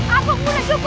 aku udah cukup